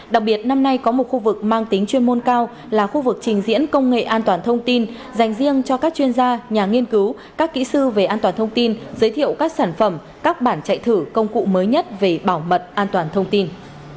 đặc biệt năm nay có một khu vực mang tính chuyên môn cao là khu vực trình diễn công nghệ an toàn thông tin dành riêng cho các chuyên gia nhà nghiên cứu các kỹ sư về an toàn thông tin giới thiệu các sản phẩm các bản chạy thử công cụ mới nhất về bảo mật an toàn thông tin